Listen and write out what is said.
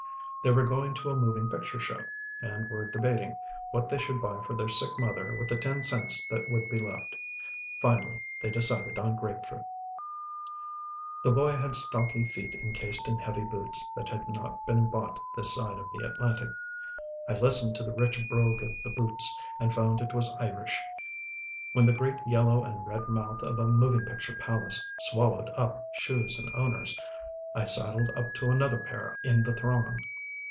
They were going to a moving picture show, and were debating what they should buy for their sick mother with the ten cents that would be left. Finally they decided on grape fruit. The boy had stocky feet encased in heavy boots that had not been bought this side of the Atlantic. I listened to the rich brogue of the boots, and found it was Irish. When the great yellow and red mouth of a moving picture palace swallowed up shoes and owners, I sidled up to another pair in the throng.